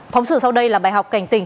phóng sự sau đây là bài học cảnh tình